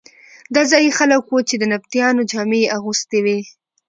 دا ځايي خلک وو چې د نبطیانو جامې یې اغوستې وې.